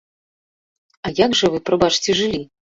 А як жа вы, прабачце, жылі?